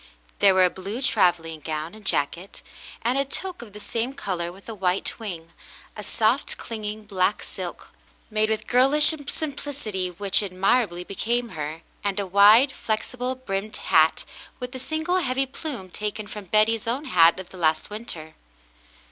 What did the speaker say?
There w^ere a blue travelling gown and jacket, and a toque of the same color with a white wing; a soft clinging black silk, made with girlish sim plicity which admirably became her, and a wide, flexible brimmed hat with a single heavy plume taken from Betty's own hat of the last winter.